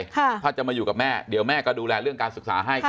ถ้าจะมาอยู่กับแม่เดี๋ยวแม่ก็ดูแลเรื่องการศึกษาให้